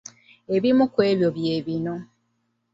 Ebimu ku byo bye bino: